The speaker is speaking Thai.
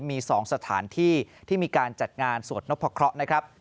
มี๒สถานที่ที่มีการจัดงานสวดนพครเขา